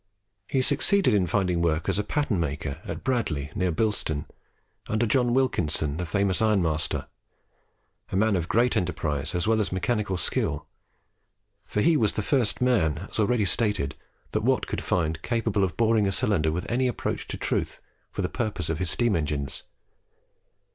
He succeeded in finding work as a pattern maker at Bradley, near Bilston; under John Wilkinson, the famous ironmaster a man of great enterprise as well as mechanical skill; for he was the first man, as already stated, that Watt could find capable of boring a cylinder with any approach to truth, for the purposes of his steam engines.